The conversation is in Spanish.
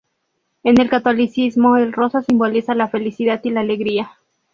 En el catolicismo el rosa simboliza la felicidad y la alegría.